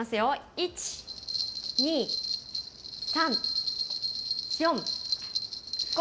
１、２、３、４、５。